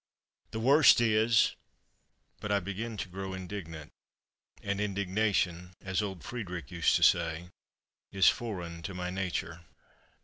The worst is—but I begin to grow indignant, and indignation, as old Friedrich used to say, is foreign to my nature.